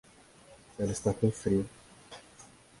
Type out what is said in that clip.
Ela está com frio.